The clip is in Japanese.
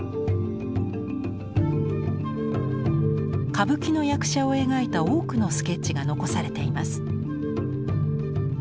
歌舞伎の役者を描いた多くのスケッチが残されています。